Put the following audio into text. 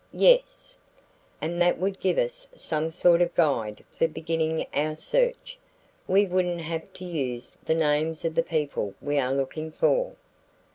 "Yes." "And that would give us some sort of guide for beginning our search. We wouldn't have to use the names of the people we are looking for."